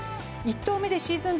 １投目でシーズン